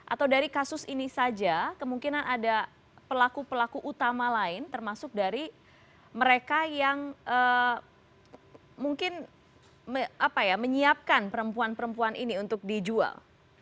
atau dari kasus ini saja kemungkinan ada pelaku pelaku utama lain termasuk dari mereka yang mungkin menyiapkan perempuan perempuan ini untuk dijual